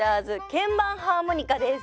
鍵盤ハーモニカです。